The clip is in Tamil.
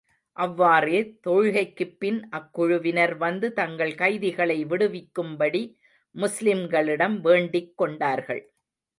அவ்வாறே, தொழுகைக்குப் பின், அக்குழுவினர் வந்து, தங்கள் கைதிகளை விடுவிக்கும்படி முஸ்லிம்களிடம் வேண்டிக் கொண்டார்கள்.